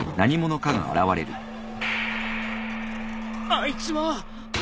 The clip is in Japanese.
あいつは。